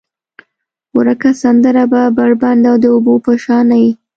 ورکه سندره به، بربنډه د اوبو په شانې،